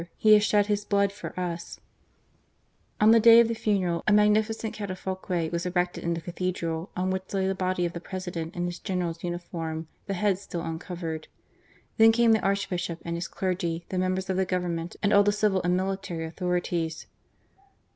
He has shed his blood for us !*' On the day of the funeral a magnificent catafalque was erected in the Cathedral, on which lay the body of the President in his General's uniform, the head still uncovered. Then came the Archbishop and his clergy, the members of the Government, and all the civil and military authorities.